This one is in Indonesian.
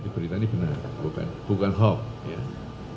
berita ini benar bukan hoax